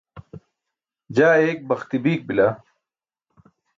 jaa eyik baxti biik bila